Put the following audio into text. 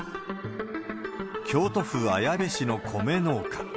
京都府綾部市の米農家。